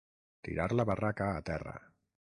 Tirar la barraca a terra.